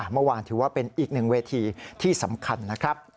เมื่อวานถือว่าเป็นอีกหนึ่งเวทีที่สำคัญนะครับ